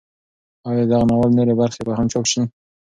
ایا د دغه ناول نورې برخې به هم چاپ شي؟